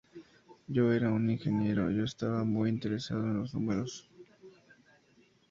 Yo era un ingeniero, yo estaba muy interesado en los números.